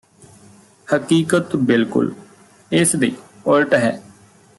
ਹਕੀਕਤ ਬਿਲਕੁਲ ਇਸ ਦੇ ਉਲਟ ਹੈ